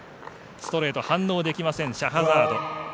ストレート反応できませんシャハザード。